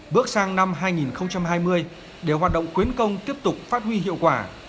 bước sang năm hai nghìn hai mươi để hoạt động quyến công tiếp tục phát huy hiệu quả